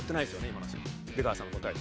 今の出川さんの答えと。